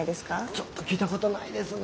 ちょっと聞いたことないですね。